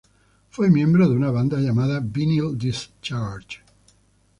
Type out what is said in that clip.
Fue miembro de una banda llamada "Vinyl Discharge".